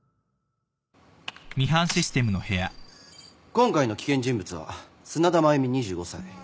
今回の危険人物は砂田繭美２５歳。